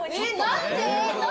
何で？